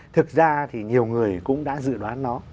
thực ra thì nhiều người cũng đã dự đoán nó